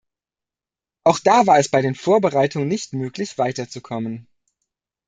Auch da war es bei den Vorbereitungen nicht möglich weiterzukommen.